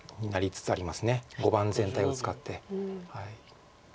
碁盤全体を使って。